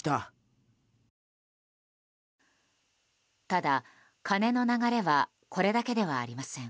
ただ、金の流れはこれだけではありません。